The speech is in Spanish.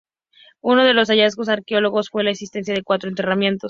Uno de los hallazgos arqueológicos fue la existencia de cuatro enterramientos.